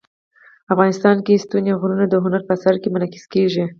افغانستان کې ستوني غرونه د هنر په اثار کې منعکس کېږي.